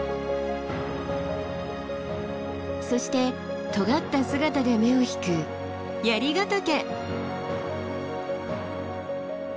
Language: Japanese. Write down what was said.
そしてとがった姿で目を引く槍ヶ岳。